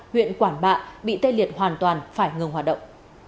huyện quản bạ bị tê liệt hoàn toàn phải ngừng hoạt động